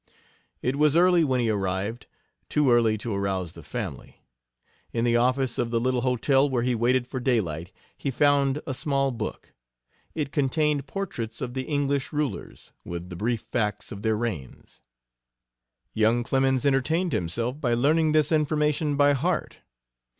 It was early when he arrived too early to arouse the family. In the office of the little hotel where he waited for daylight he found a small book. It contained portraits of the English rulers, with the brief facts of their reigns. Young Clemens entertained himself by learning this information by heart.